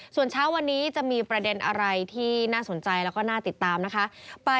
ส่วนเช้าวันนี้จะมีประเด็นอะไรที่น่าสนใจแล้วก็น่าติดตามนะคะ